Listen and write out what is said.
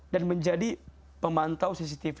dan menjadi pemantau cctv